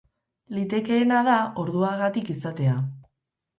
Litekeena da orduagatik izatea.